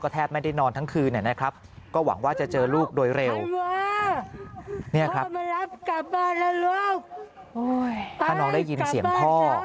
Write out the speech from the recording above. ถ้าน้องได้ยินเสียงพ่อ